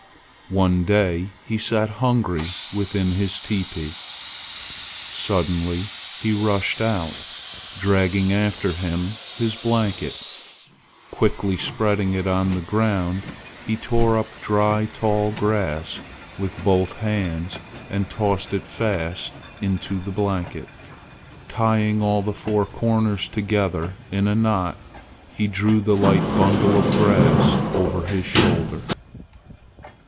One day he sat hungry within his teepee. Suddenly he rushed out, dragging after him his blanket. Quickly spreading it on the ground, he tore up dry tall grass with both his hands and tossed it fast into the blanket. Tying all the four corners together in a knot, he threw the light bundle of grass over his shoulder.